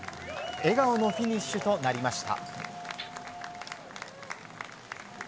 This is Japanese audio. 笑顔のフィニッシュとなりました。